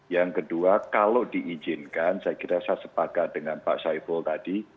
yang kedua kalau diizinkan saya kira saya sepakat dengan pak saiful tadi